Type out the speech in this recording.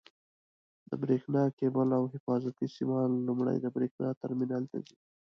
د برېښنا کېبل او حفاظتي سیمان لومړی د برېښنا ټرمینل ته ځي.